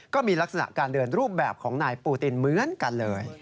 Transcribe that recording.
ก็มีลักษณะการเดินรูปแบบของนายปูตินเหมือนกันเลย